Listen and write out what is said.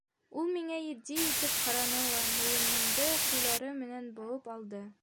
Ул миңә етди итеп ҡараны ла, муйынымды ҡулдары менән быуып алды.